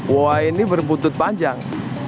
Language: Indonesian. wah ini bermutut panjang